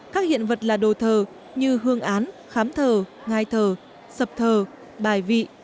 các hiện vật là đồ thờ như hương án khám thờ ngài thờ sập thờ bài vị